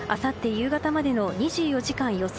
夕方までの２４時間予想